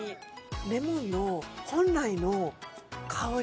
レモンの本来の香り。